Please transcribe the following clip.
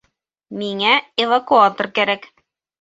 Миңә эвакуатор кәрәк